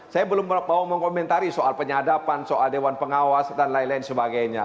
saya belum mau mengkomentari soal penyadapan soal dewan pengawas dan lain lain sebagainya